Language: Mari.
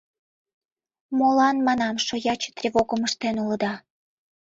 — Молан, манам, шояче тревогым ыштен улыда?